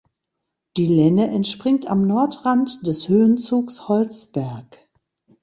Die Lenne entspringt am Nordrand des Höhenzugs Holzberg.